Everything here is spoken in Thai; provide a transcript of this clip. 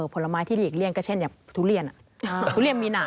ผลไม้ที่หลีกเลี่ยงก็เช่นอย่างทุเรียนทุเรียนมีหนา